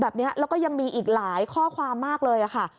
แบบนี้แล้วก็ยังมีอีกหลายข้อความมากเลยค่ะ